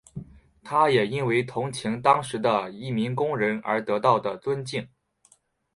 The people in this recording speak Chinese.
他也因为同情当时的移民工人而得到的尊敬。